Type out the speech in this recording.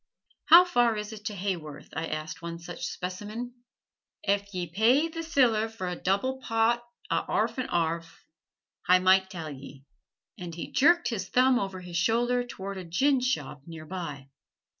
"How far is it to Haworth?" I asked one such specimen. "Ef ye pay th' siller for a double pot a' 'arf and 'arf. Hi might tell ye"; and he jerked his thumb over his shoulder toward a ginshop near by.